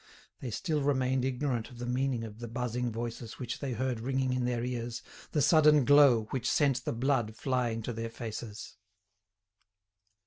They still remained ignorant of the meaning of the buzzing voices which they heard ringing in their ears, the sudden glow which sent the blood flying to their faces.